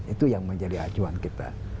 itu yang menjadi acuan kita